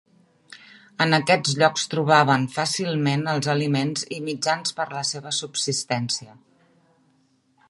En aquests llocs trobaven fàcilment els aliments i mitjans per a la seva subsistència.